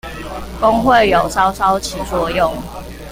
工會有稍稍起作用